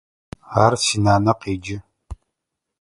Ар синанэ къеджэ.